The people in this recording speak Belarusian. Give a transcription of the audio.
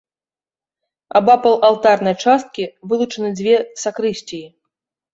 Абапал алтарнай часткі вылучаны дзве сакрысціі.